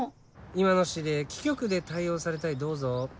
今の指令貴局で対応されたいどうぞ。